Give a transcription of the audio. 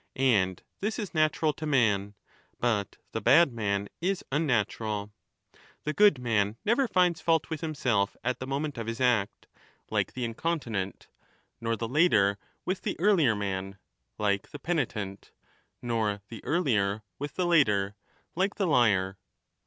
And this is natural to man ; but the bad man is unnatural. The good man never finds fault with himself at the moment of his act, like the incontinent, nor the later with the earlier man, like the penitent, nor the earlier with the later, like the liar.